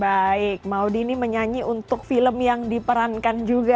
baik maudie ini menyanyi untuk film yang diperankan juga